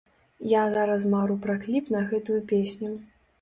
Я зараз мару пра кліп на гэтую песню.